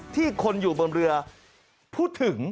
ที่คนอยู่บนเรือพูดถึง